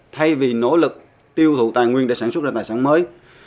thay vì nỗ lực tiêu thụ tài nguyên để sản xuất ra tài sản mới